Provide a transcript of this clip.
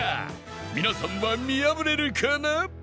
皆さんは見破れるかな？